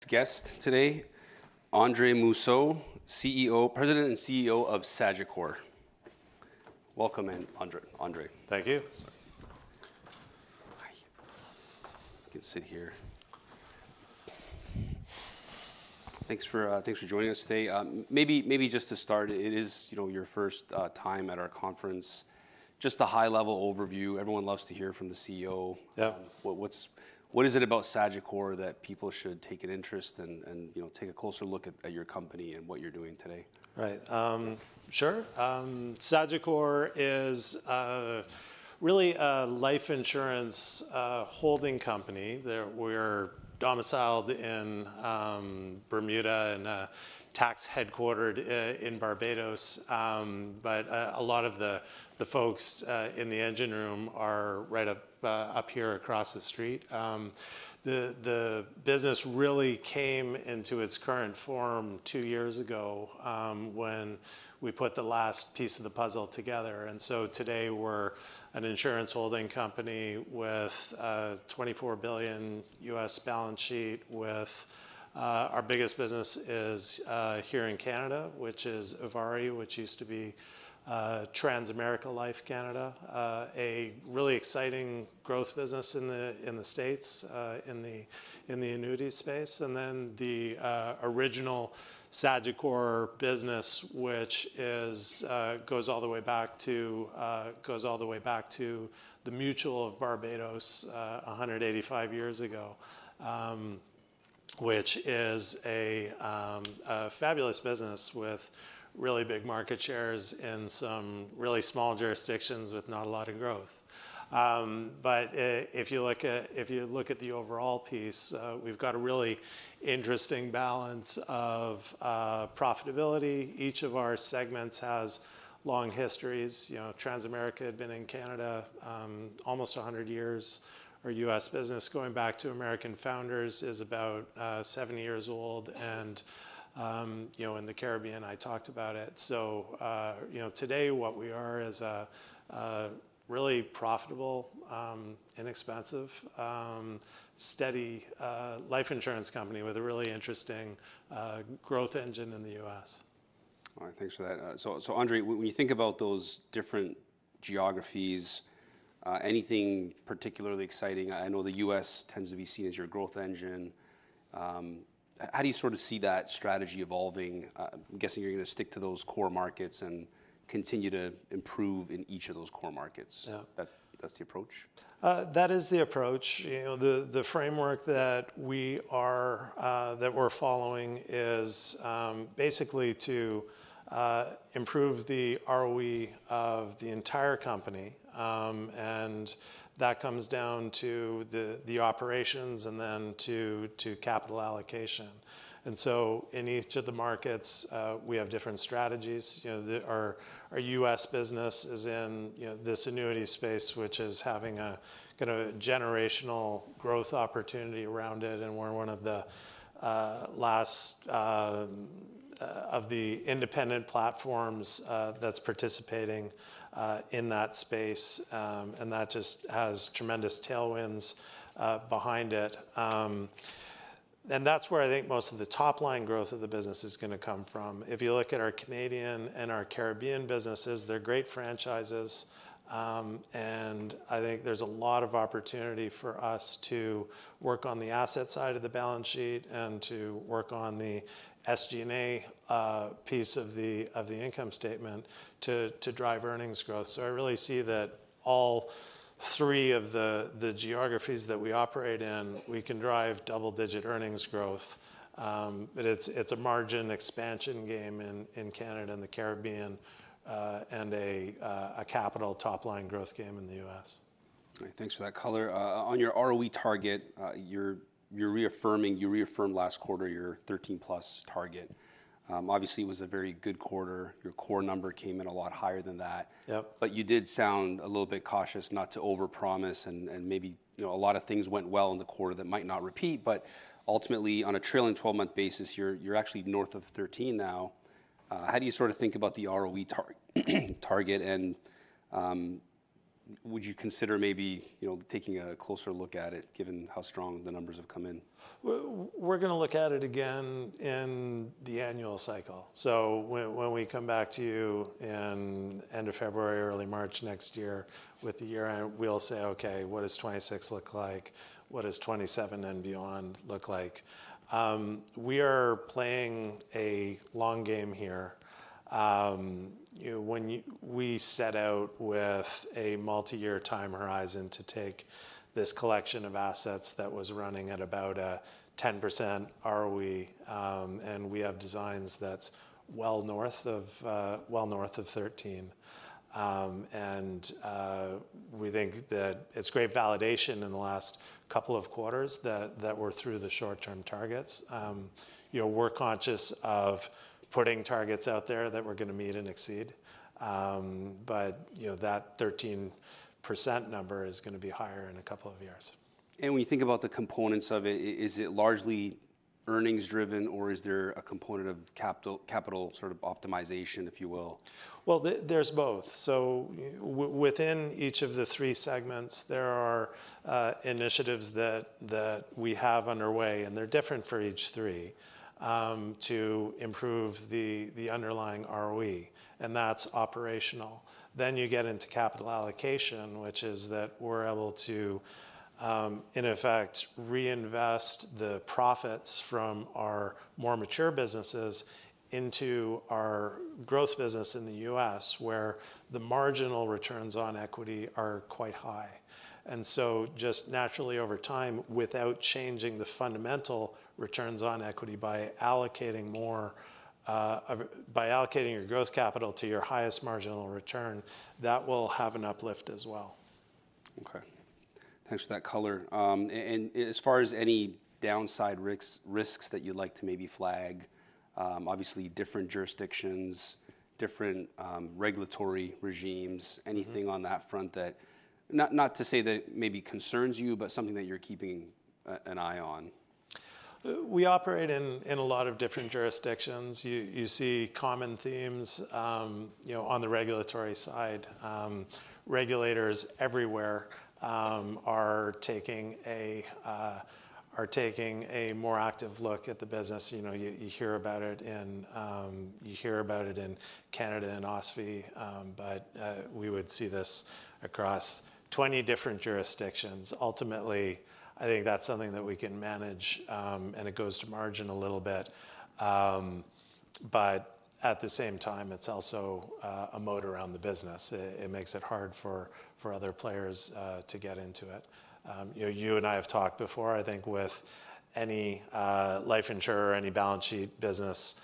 ... guest today, Andre Mousseau, CEO, President and CEO of Sagicor. Welcome in Andre, Andre. Thank you. Hi. You can sit here. Thanks for joining us today. Maybe just to start, it is, you know, your first time at our conference. Just a high-level overview, everyone loves to hear from the CEO. Yeah. What is it about Sagicor that people should take an interest and, you know, take a closer look at your company and what you're doing today? Right. Sure. Sagicor is really a life insurance holding company. We're domiciled in Bermuda, and tax headquartered in Barbados. But a lot of the folks in the engine room are right up here across the street. The business really came into its current form two years ago, when we put the last piece of the puzzle together. And so today we're an insurance holding company with a $24 billion balance sheet. Our biggest business is here in Canada, which is ivari, which used to be Transamerica Life Canada. A really exciting growth business in the States, in the annuity space. And then the original Sagicor business, which goes all the way back to the Mutual of Barbados 185 years ago. Which is a fabulous business with really big market shares in some really small jurisdictions with not a lot of growth. But if you look at the overall piece, we've got a really interesting balance of profitability. Each of our segments has long histories. You know, Transamerica had been in Canada almost 100 years. Our US business, going back to American Founders, is about 70 years old. And you know, in the Caribbean, I talked about it. So, you know, today what we are is a really profitable, inexpensive, steady life insurance company with a really interesting growth engine in the U.S. All right. Thanks for that. So, so Andre, when you think about those different geographies, anything particularly exciting? I know the U.S. tends to be seen as your growth engine. How do you sort of see that strategy evolving? I'm guessing you're going to stick to those core markets and continue to improve in each of those core markets. Yeah. That's the approach? That is the approach. You know, the framework that we're following is basically to improve the ROE of the entire company. And that comes down to the operations and then to capital allocation. And so in each of the markets, we have different strategies. You know, our US business is in this annuity space, which is having a kind of a generational growth opportunity around it, and we're one of the last of the independent platforms that's participating in that space. And that just has tremendous tailwinds behind it. And that's where I think most of the top-line growth of the business is going to come from. If you look at our Canadian and our Caribbean businesses, they're great franchises, and I think there's a lot of opportunity for us to work on the asset side of the balance sheet, and to work on the SG&A piece of the income statement to drive earnings growth, so I really see that all three of the geographies that we operate in, we can drive double-digit earnings growth, but it's a margin expansion game in Canada and the Caribbean, and a capital top-line growth game in the US. Great, thanks for that color. On your ROE target, you're reaffirming - you reaffirmed last quarter your 13-plus target. Obviously, it was a very good quarter. Your core number came in a lot higher than that. Yep. But you did sound a little bit cautious not to over-promise, and maybe, you know, a lot of things went well in the quarter that might not repeat. But ultimately, on a trailing 12-month basis, you're actually north of 13 now. How do you sort of think about the ROE target, and would you consider maybe, you know, taking a closer look at it, given how strong the numbers have come in? We're going to look at it again in the annual cycle. So when, when we come back to you in end of February, early March next year, with the year-end, we'll say, "Okay, what does 2026 look like? What does 2027 and beyond look like?" We are playing a long game here. You know, we set out with a multi-year time horizon to take this collection of assets that was running at about a 10% ROE, and we have designs that's well north of, well north of 13. And, we think that it's great validation in the last couple of quarters that, that we're through the short-term targets. You know, we're conscious of putting targets out there that we're going to meet and exceed. But, you know, that 13% number is gonna be higher in a couple of years. And when you think about the components of it, is it largely earnings driven, or is there a component of capital sort of optimization, if you will? There, there's both. So within each of the three segments, there are initiatives that we have underway, and they're different for each three to improve the underlying ROE, and that's operational. Then you get into capital allocation, which is that we're able to in effect reinvest the profits from our more mature businesses into our growth business in the US, where the marginal returns on equity are quite high. And so just naturally over time, without changing the fundamental returns on equity by allocating more by allocating your growth capital to your highest marginal return, that will have an uplift as well. Okay. Thanks for that color. And as far as any downside risks, risks that you'd like to maybe flag, obviously, different jurisdictions, different regulatory regimes- Mm-hmm... anything on that front that, not to say that maybe concerns you, but something that you're keeping an eye on? We operate in a lot of different jurisdictions. You see common themes, you know, on the regulatory side. Regulators everywhere are taking a more active look at the business. You know, you hear about it in Canada, in OSFI, but we would see this across 20 different jurisdictions. Ultimately, I think that's something that we can manage, and it goes to margin a little bit. But at the same time, it's also a moat around the business. It makes it hard for other players to get into it. You know, you and I have talked before. I think with any life insurer, any balance sheet business,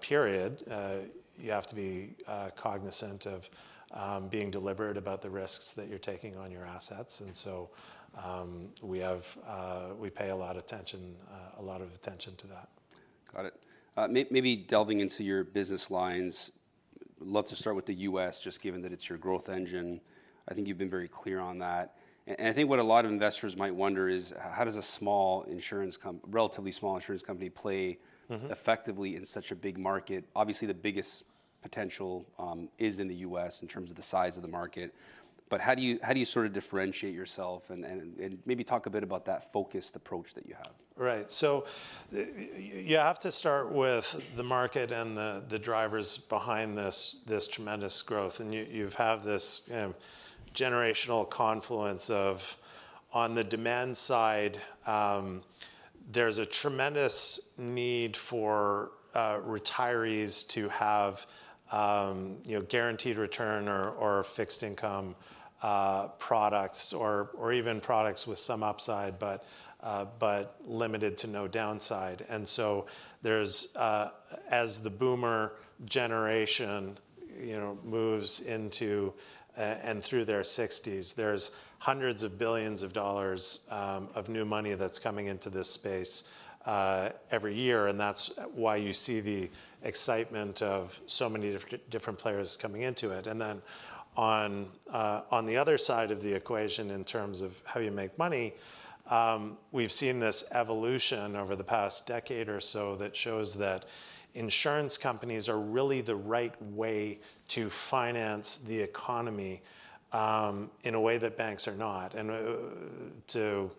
period, you have to be cognizant of being deliberate about the risks that you're taking on your assets. And so, we pay a lot of attention to that. Got it. Maybe delving into your business lines, I'd love to start with the US, just given that it's your growth engine. I think you've been very clear on that, and I think what a lot of investors might wonder is, how does a small insurance a relatively small insurance company play- Mm-hmm... effectively in such a big market? Obviously, the biggest potential is in the U.S. in terms of the size of the market, but how do you sort of differentiate yourself? And maybe talk a bit about that focused approach that you have. Right. So you have to start with the market and the drivers behind this tremendous growth. And you have this, you know, generational confluence of, on the demand side, there's a tremendous need for retirees to have, you know, guaranteed return or fixed income products, or even products with some upside, but limited to no downside. And so there's, as the boomer generation, you know, moves into and through their 60s, there's hundreds of billions of dollars of new money that's coming into this space every year, and that's why you see the excitement of so many different players coming into it. And then on the other side of the equation, in terms of how you make money, we've seen this evolution over the past decade or so that shows that insurance companies are really the right way to finance the economy, in a way that banks are not. And, to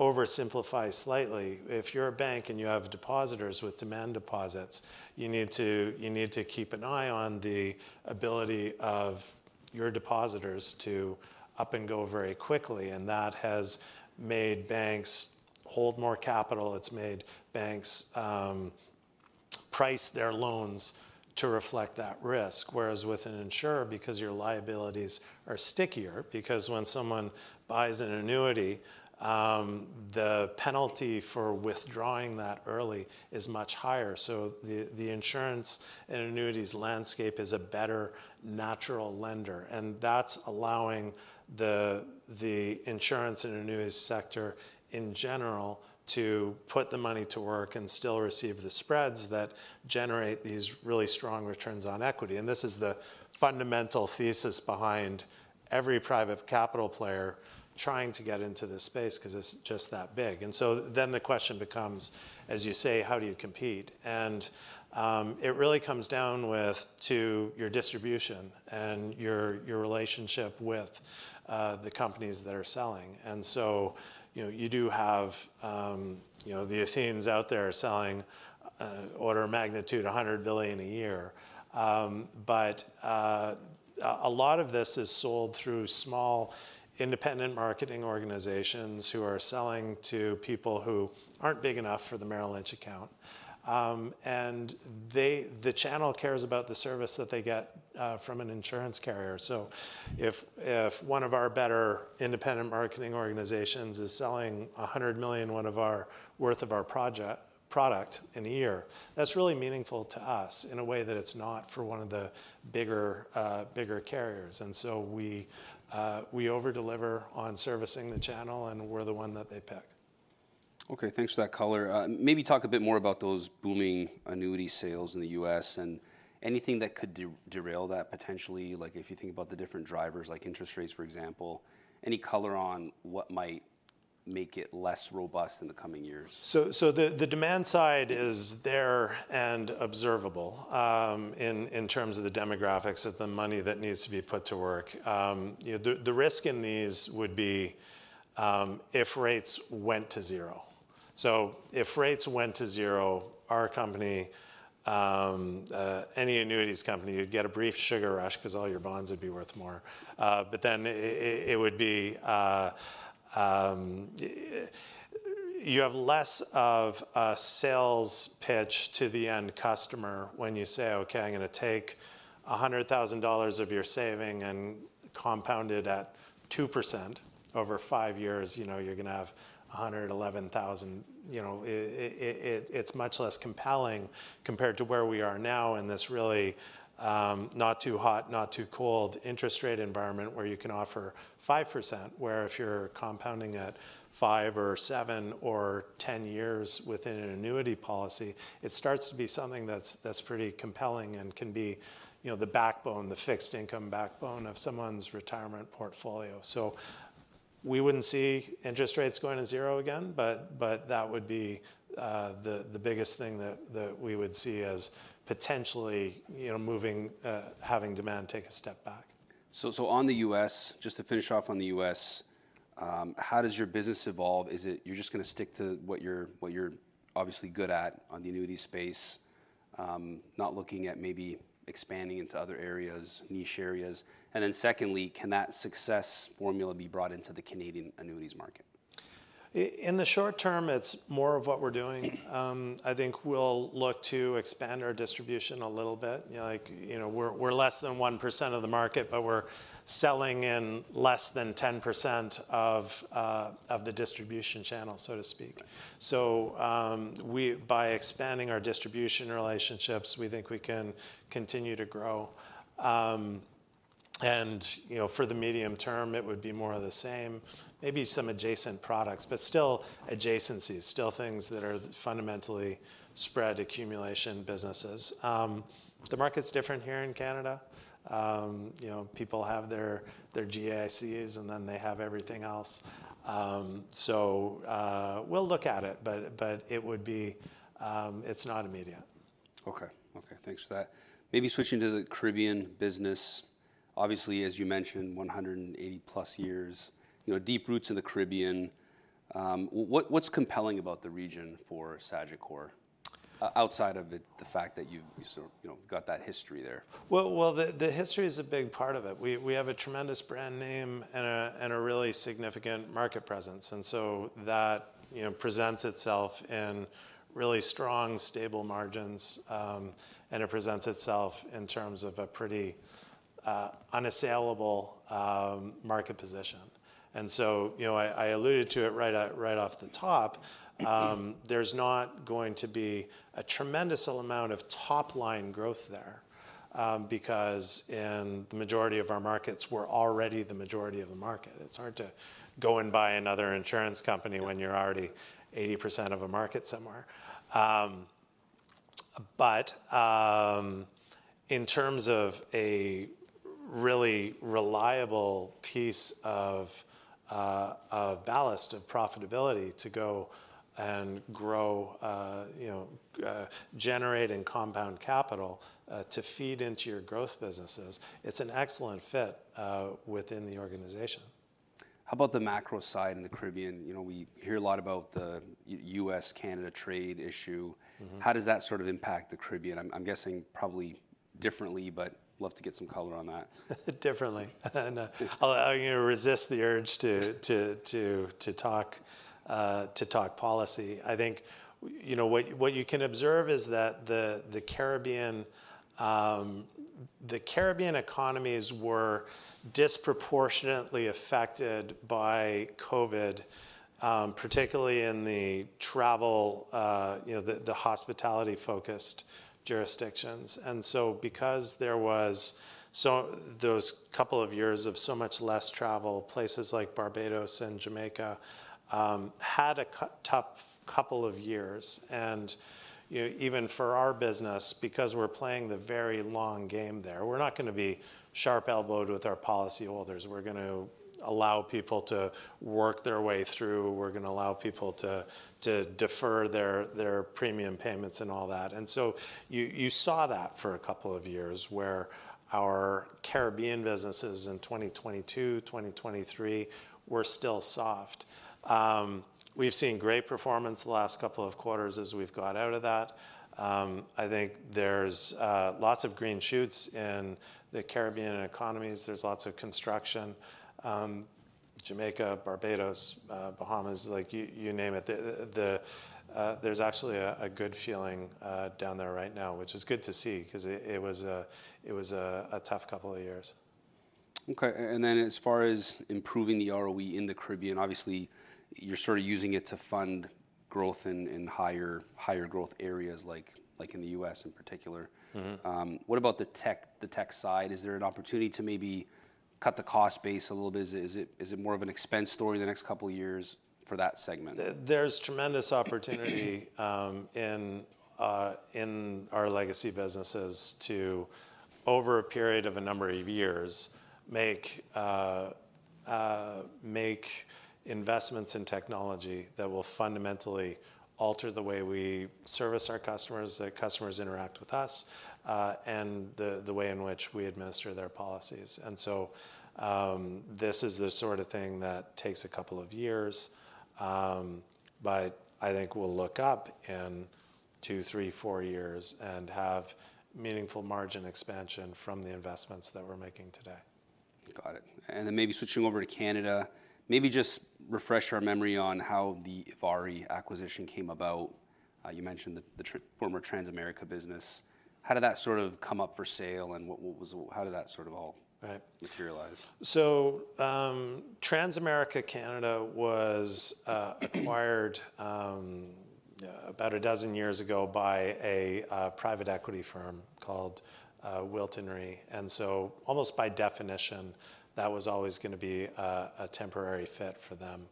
oversimplify slightly, if you're a bank and you have depositors with demand deposits, you need to keep an eye on the ability of your depositors to up and go very quickly, and that has made banks hold more capital. It's made banks price their loans to reflect that risk. Whereas with an insurer, because your liabilities are stickier, because when someone buys an annuity, the penalty for withdrawing that early is much higher. So the insurance and annuities landscape is a better natural lender, and that's allowing the insurance and annuities sector in general to put the money to work and still receive the spreads that generate these really strong returns on equity. And this is the fundamental thesis behind every private capital player trying to get into this space because it's just that big. And so then the question becomes, as you say, "How do you compete?" And it really comes down to your distribution and your relationship with the companies that are selling. And so you know, you do have you know, Athene out there selling order of magnitude $100 billion a year. But a lot of this is sold through small, independent marketing organizations who are selling to people who aren't big enough for the Merrill Lynch account. The channel cares about the service that they get from an insurance carrier. So if one of our better independent marketing organizations is selling $100 million worth of our product in a year, that's really meaningful to us in a way that it's not for one of the bigger carriers. And so we over-deliver on servicing the channel, and we're the one that they pick.... Okay, thanks for that color. Maybe talk a bit more about those booming annuity sales in the U.S., and anything that could derail that potentially. Like, if you think about the different drivers, like interest rates, for example, any color on what might make it less robust in the coming years? So the demand side is there and observable in terms of the demographics of the money that needs to be put to work. You know, the risk in these would be if rates went to zero. So if rates went to zero, our company, any annuities company, you'd get a brief sugar rush 'cause all your bonds would be worth more. But then it would be you have less of a sales pitch to the end customer when you say, "Okay, I'm going to take $100,000 of your saving and compound it at 2% over five years. You know, you're going to have 111,000. You know, it, it's much less compelling compared to where we are now in this really, not too hot, not too cold interest rate environment, where you can offer 5%. Where if you're compounding at five, or seven, or 10 years within an annuity policy, it starts to be something that's, that's pretty compelling and can be, you know, the backbone, the fixed income backbone of someone's retirement portfolio. So we wouldn't see interest rates going to zero again, but, but that would be, the, the biggest thing that, that we would see as potentially, you know, moving, having demand take a step back. On the U.S., just to finish off on the U.S., how does your business evolve? Is it you're just going to stick to what you're obviously good at on the annuity space, not looking at maybe expanding into other areas, niche areas? And then secondly, can that success formula be brought into the Canadian annuities market? In the short term, it's more of what we're doing. I think we'll look to expand our distribution a little bit. You know, like, you know, we're less than 1% of the market, but we're selling in less than 10% of the distribution channel, so to speak. So, by expanding our distribution relationships, we think we can continue to grow. And, you know, for the medium term, it would be more of the same, maybe some adjacent products, but still adjacencies, still things that are fundamentally spread accumulation businesses. The market's different here in Canada. You know, people have their GICs, and then they have everything else. So, we'll look at it, but it would be, it's not immediate. Okay. Okay, thanks for that. Maybe switching to the Caribbean business. Obviously, as you mentioned, 180-plus years, you know, deep roots in the Caribbean. What's compelling about the region for Sagicor, outside of the fact that you've sort of, you know, got that history there? The history is a big part of it. We have a tremendous brand name and a really significant market presence, and so that, you know, presents itself in really strong, stable margins. And it presents itself in terms of a pretty unassailable market position. And so, you know, I alluded to it right off the top. There's not going to be a tremendous amount of top-line growth there, because in the majority of our markets, we're already the majority of the market. It's hard to go and buy another insurance company when you're already 80% of a market somewhere. But, in terms of a really reliable piece of ballast, of profitability to go and grow, you know, generate and compound capital, to feed into your growth businesses, it's an excellent fit, within the organization. How about the macro side in the Caribbean? You know, we hear a lot about the U.S.-Canada trade issue. Mm-hmm. How does that sort of impact the Caribbean? I'm guessing probably differently, but love to get some color on that. Differently. I'm going to resist the urge to talk policy. I think, you know, what you can observe is that the Caribbean economies were disproportionately affected by Covid, particularly in the travel, the hospitality-focused jurisdictions. And so because there was those couple of years of so much less travel, places like Barbados and Jamaica had a tough couple of years. You know, even for our business, because we're playing the very long game there, we're not going to be sharp-elbowed with our policyholders. We're going to allow people to work their way through. We're going to allow people to defer their premium payments and all that. You saw that for a couple of years, where our Caribbean businesses in 2022, 2023, were still soft. We've seen great performance the last couple of quarters as we've got out of that. I think there's lots of green shoots in the Caribbean economies. There's lots of construction, Jamaica, Barbados, Bahamas, like, you name it. There's actually a good feeling down there right now, which is good to see, 'cause it was a tough couple of years.... Okay, and then as far as improving the ROE in the Caribbean, obviously you're sort of using it to fund growth in higher growth areas like in the US in particular. Mm-hmm. What about the tech side? Is there an opportunity to maybe cut the cost base a little bit? Is it more of an expense story in the next couple of years for that segment? There's tremendous opportunity in our legacy businesses to, over a period of a number of years, make investments in technology that will fundamentally alter the way we service our customers, that customers interact with us, and the way in which we administer their policies. And so, this is the sort of thing that takes a couple of years, but I think we'll look up in two, three, four years and have meaningful margin expansion from the investments that we're making today. Got it. And then maybe switching over to Canada, maybe just refresh our memory on how the ivari acquisition came about. You mentioned the former Transamerica business. How did that sort of come up for sale, and how did that sort of all- Right... materialize? Transamerica Canada was acquired about a dozen years ago by a private equity firm called Wilton Re. Almost by definition, that was always going to be a temporary fit for them.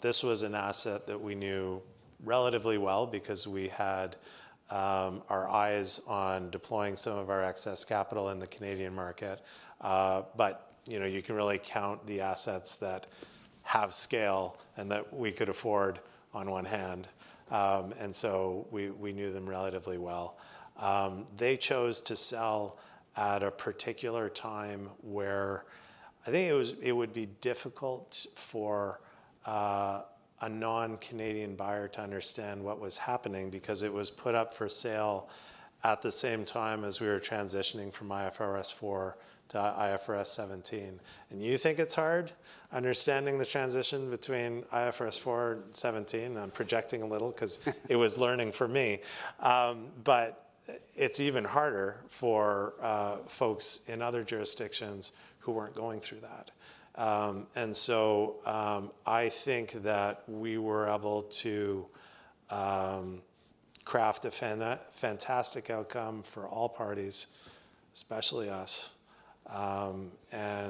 This was an asset that we knew relatively well because we had our eyes on deploying some of our excess capital in the Canadian market. You know, you can really count the assets that have scale and that we could afford on one hand. We knew them relatively well. They chose to sell at a particular time where I think it would be difficult for a non-Canadian buyer to understand what was happening, because it was put up for sale at the same time as we were transitioning from IFRS 4 to IFRS 17. You think it's hard understanding the transition between IFRS 4 and 17? I'm projecting a little because it was learning for me. But it's even harder for folks in other jurisdictions who weren't going through that. I think that we were able to craft a fantastic outcome for all parties, especially us. You know,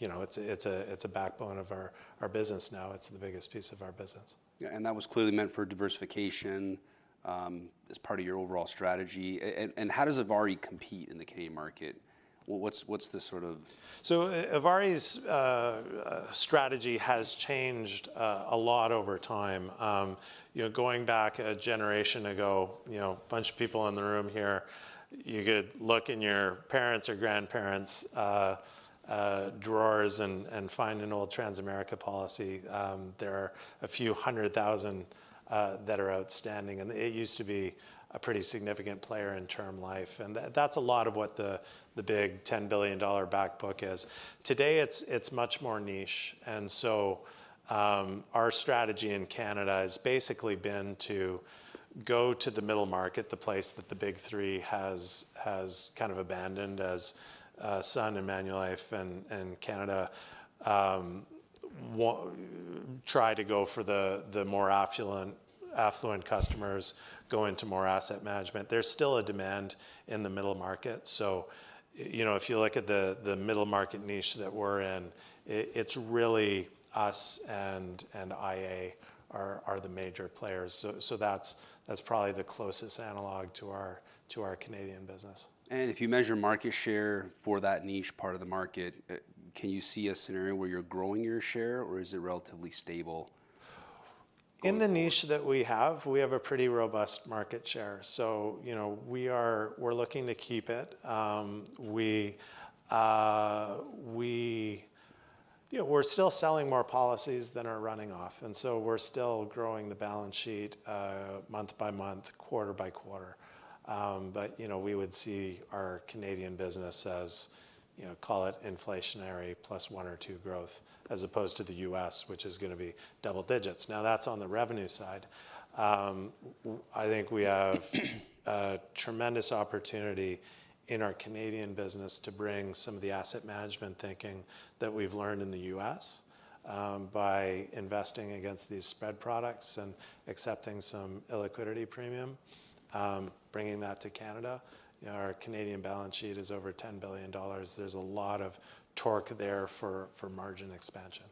it's a backbone of our business now. It's the biggest piece of our business. Yeah, and that was clearly meant for diversification, as part of your overall strategy. And how does ivari compete in the Canadian market? What's the sort of- ivari's strategy has changed a lot over time. You know, going back a generation ago, you know, a bunch of people in the room here, you could look in your parents' or grandparents' drawers and find an old Transamerica policy. There are a few hundred thousand that are outstanding, and it used to be a pretty significant player in term life. That's a lot of what the big $10 billion back book is. Today, it's much more niche, and our strategy in Canada has basically been to go to the middle market, the place that the Big Three has kind of abandoned as Sun and Manulife and Canada try to go for the more opulent, affluent customers go into more asset management. There's still a demand in the middle market. So, you know, if you look at the middle market niche that we're in, it's really us and iA are the major players. So that's probably the closest analog to our Canadian business. If you measure market share for that niche part of the market, can you see a scenario where you're growing your share, or is it relatively stable? In the niche that we have, we have a pretty robust market share, so you know, we're looking to keep it. We you know, we're still selling more policies than are running off, and so we're still growing the balance sheet month by month, quarter by quarter. But you know, we would see our Canadian business as you know, call it inflationary plus one or two growth, as opposed to the U.S., which is going to be double digits. Now, that's on the revenue side. I think we have a tremendous opportunity in our Canadian business to bring some of the asset management thinking that we've learned in the U.S. by investing against these spread products and accepting some illiquidity premium, bringing that to Canada. Our Canadian balance sheet is over $10 billion. There's a lot of torque there for margin expansion.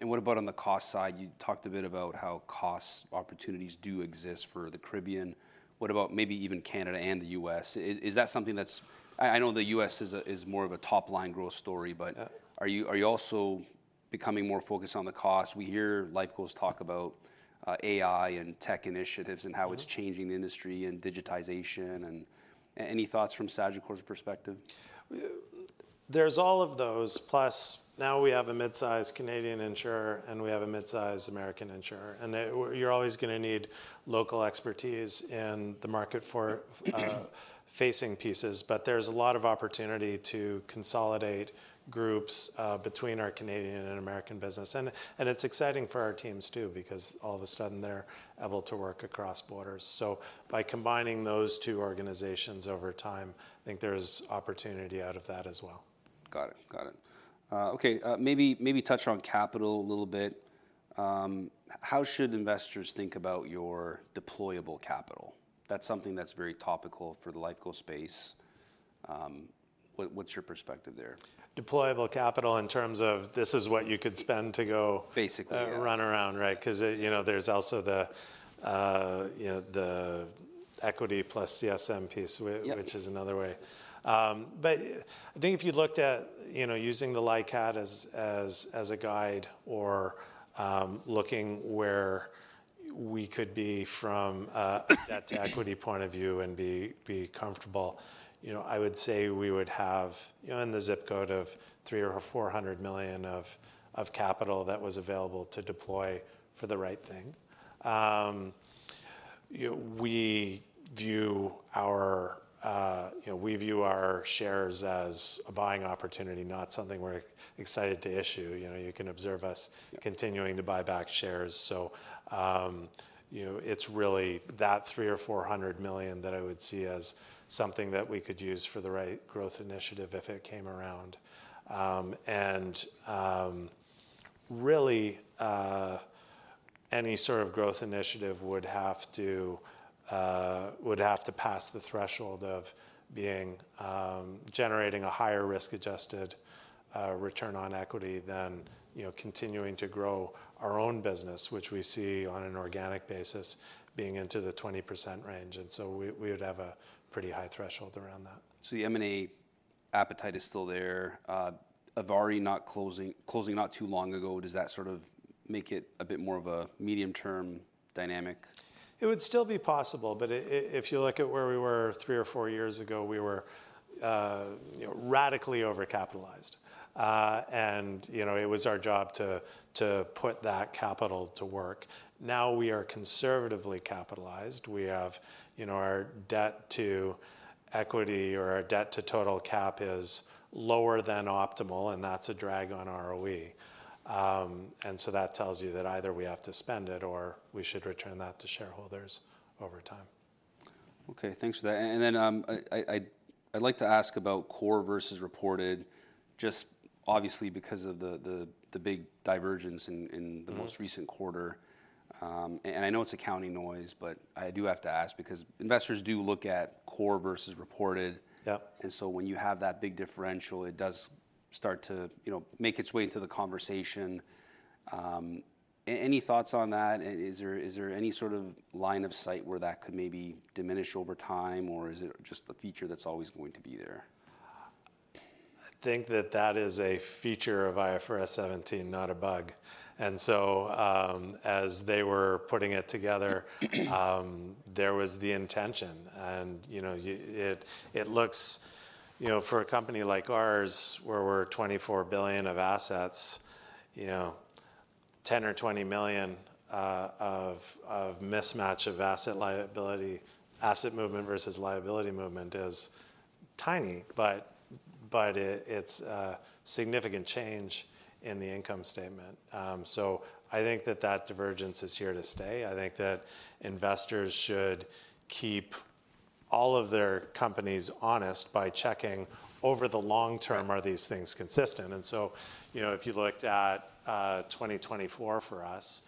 What about on the cost side? You talked a bit about how cost opportunities do exist for the Caribbean. What about maybe even Canada and the US? Is that something that's... I know the US is more of a top-line growth story, but- Uh... are you, are you also becoming more focused on the cost? We hear iifecos talk about AI and tech initiatives- Mm-hmm... and how it's changing the industry, and digitization, and any thoughts from Sagicor's perspective? There's all of those, plus now we have a mid-sized Canadian insurer, and we have a mid-sized American insurer. And you're always going to need local expertise in the market for facing pieces. But there's a lot of opportunity to consolidate groups between our Canadian and American business. And it's exciting for our teams, too, because all of a sudden, they're able to work across borders. So by combining those two organizations over time, I think there's opportunity out of that as well.... Got it. Got it. Okay, maybe touch on capital a little bit. How should investors think about your deployable capital? That's something that's very topical for the life co space. What's your perspective there? Deployable capital in terms of this is what you could spend to go- Basically, yeah... run around, right? 'Cause it, you know, there's also the, you know, the equity plus CSM piece w- Yep... which is another way. But I think if you looked at, you know, using the LICAT as a guide or, looking where we could be from a debt to equity point of view and be comfortable, you know, I would say we would have, you know, in the zip code of $300-$400 million of capital that was available to deploy for the right thing. You know, we view our shares as a buying opportunity, not something we're excited to issue. You know, you can observe us- Yeah... continuing to buy back shares. So, you know, it's really that $300 million or $400 million that I would see as something that we could use for the right growth initiative if it came around. And, really, any sort of growth initiative would have to pass the threshold of being generating a higher risk-adjusted return on equity than, you know, continuing to grow our own business, which we see on an organic basis, being into the 20% range, and so we would have a pretty high threshold around that. So the M&A appetite is still there. ivari closing not too long ago, does that sort of make it a bit more of a medium-term dynamic? It would still be possible, but if you look at where we were three or four years ago, we were, you know, radically overcapitalized, and you know, it was our job to put that capital to work. Now we are conservatively capitalized. We have, you know, our debt to equity, or our debt to total cap is lower than optimal, and that's a drag on ROE, and so that tells you that either we have to spend it or we should return that to shareholders over time. Okay, thanks for that. And then I'd like to ask about core versus reported, just obviously because of the big divergence in- Mm-hmm... the most recent quarter, and I know it's accounting noise, but I do have to ask because investors do look at core versus reported. Yep. And so when you have that big differential, it does start to, you know, make its way into the conversation. Any thoughts on that? And is there, is there any sort of line of sight where that could maybe diminish over time, or is it just a feature that's always going to be there? I think that that is a feature of IFRS 17, not a bug. And so, as they were putting it together, there was the intention. And, you know, it looks, you know, for a company like ours, where we're $24 billion of assets, you know, $10 or $20 million of mismatch of asset liability, asset movement versus liability movement is tiny, but it's a significant change in the income statement. So I think that that divergence is here to stay. I think that investors should keep all of their companies honest by checking over the long term. Yeah... are these things consistent? And so, you know, if you looked at 2024 for us,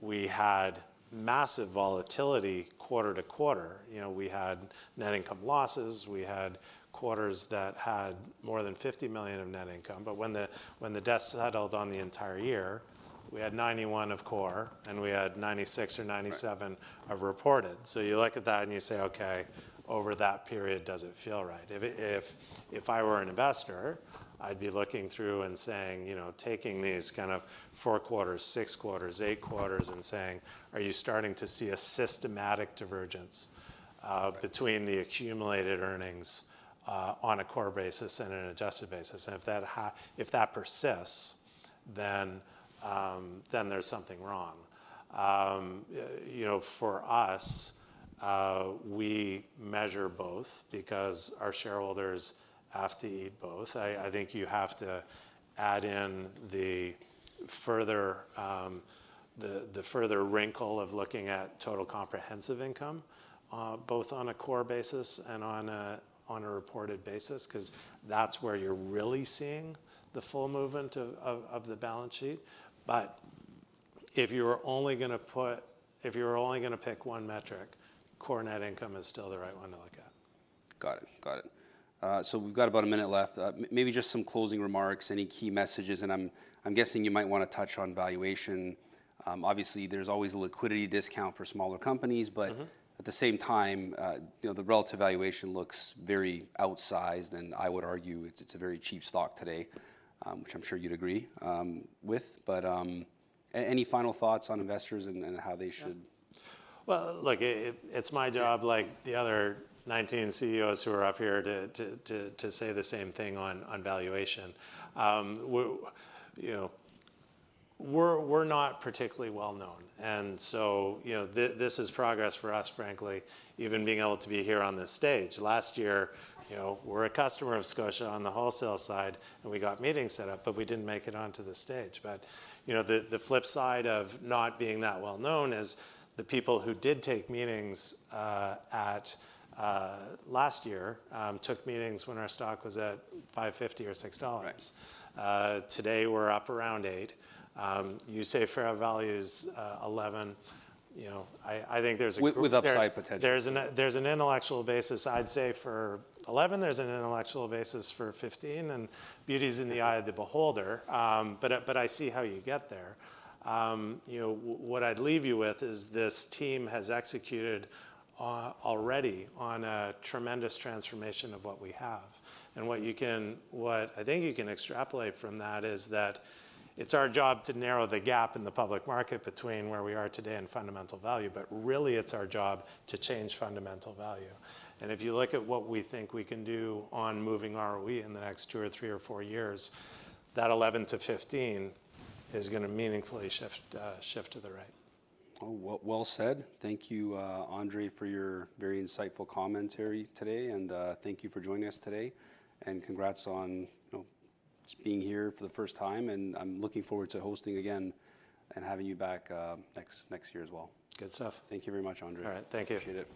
we had massive volatility quarter to quarter. You know, we had net income losses, we had quarters that had more than $50 million of net income, but when the dust settled on the entire year, we had $91 million of core, and we had $96 million or $97 million- Right... of reported. So you look at that and you say, "Okay, over that period, does it feel right?" If I were an investor, I'd be looking through and saying, you know, taking these kind of four quarters, six quarters, eight quarters and saying: Are you starting to see a systematic divergence? Right... between the accumulated earnings on a core basis and an adjusted basis? If that persists, then there's something wrong. You know, for us, we measure both because our shareholders have to eat both. I think you have to add in the further wrinkle of looking at total comprehensive income both on a core basis and on a reported basis, 'cause that's where you're really seeing the full movement of the balance sheet. But if you're only gonna pick one metric, core net income is still the right one to look at. Got it. Got it. So we've got about a minute left. Maybe just some closing remarks, any key messages, and I'm guessing you might want to touch on valuation. Obviously, there's always a liquidity discount for smaller companies, but- Mm-hmm ... at the same time, you know, the relative valuation looks very outsized, and I would argue it's a very cheap stock today, which I'm sure you'd agree with. But, any final thoughts on investors and how they should- Yeah. Well, look, it's my job- Yeah... like the other 19 CEOs who are up here, to say the same thing on valuation. You know, we're, we're not particularly well known, and so, you know, this is progress for us, frankly, even being able to be here on this stage. Last year, you know, we're a customer of Scotia on the wholesale side, and we got meetings set up, but we didn't make it onto the stage. But, you know, the flip side of not being that well known is the people who did take meetings at last year took meetings when our stock was at $5.50 or $6. Right. Today, we're up around $8. You say fair value is $11. You know, I think there's a group- With upside potential. There's an intellectual basis, I'd say, for 11, there's an intellectual basis for 15, and beauty's in the eye of the beholder. But I see how you get there. You know, what I'd leave you with is this team has executed already on a tremendous transformation of what we have. And what I think you can extrapolate from that is that it's our job to narrow the gap in the public market between where we are today and fundamental value, but really, it's our job to change fundamental value. And if you look at what we think we can do on moving ROE in the next two or three or four years, that 11-15 is gonna meaningfully shift to the right. Well said. Thank you, Andre, for your very insightful commentary today, and thank you for joining us today. And congrats on, you know, just being here for the first time, and I'm looking forward to hosting again and having you back next year as well. Good stuff. Thank you very much, Andre. All right. Thank you. Appreciate it.